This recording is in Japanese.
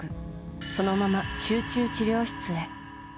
そのまま集中治療室へ。